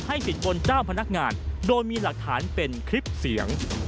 สินบนเจ้าพนักงานโดยมีหลักฐานเป็นคลิปเสียง